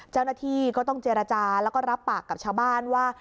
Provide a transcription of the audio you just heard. เจ้าหน้าที่ก็ต้องเจรจาแล้วก็รับปากกับชาวบ้านว่า